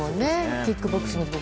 キックボクシング。